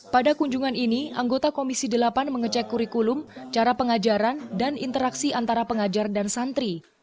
pada kunjungan ini anggota komisi delapan mengecek kurikulum cara pengajaran dan interaksi antara pengajar dan santri